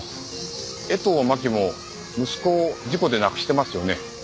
江藤真紀も息子を事故で亡くしてますよね？